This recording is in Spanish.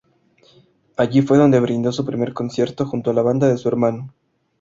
Allí fue donde brindó su primer concierto junto a la banda de su hermano.